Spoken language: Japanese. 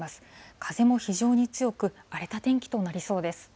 風も非常に強く、荒れた天気となりそうです。